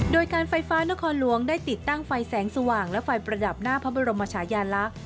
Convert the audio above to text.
โดยการไฟฟ้านครหลวงได้ติดตั้งไฟแสงสว่างและไฟประดับหน้าพระบรมชายาลักษณ์